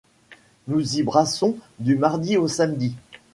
Nous y brassons du mardi au samedi.